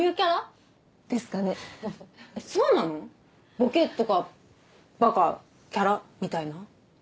ボケとかバカキャラみたいな？